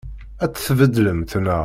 Ad tt-tbeddlemt, naɣ?